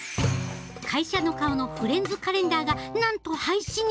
会社の顔のフレンズカレンダーがなんと廃止に！